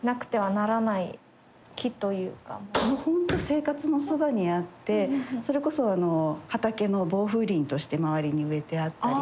本当生活のそばにあってそれこそ畑の防風林として周りに植えてあったりとか。